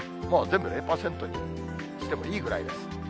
もう全部０％にしてもいいぐらいです。